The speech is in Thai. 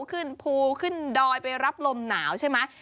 ขึ้นภูขึ้นดอยไปรับลมหนาวใช่ไหม